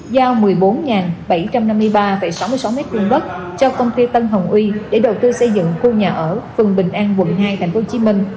giao một mươi bốn bảy trăm năm mươi ba sáu mươi sáu m hai đất cho công ty tân hồng uy để đầu tư xây dựng khu nhà ở phường bình an quận hai tp hcm